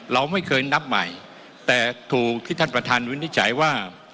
เราไม่เคยนับใหม่แต่ถูกที่ท่านประธานวินิจฉัยว่า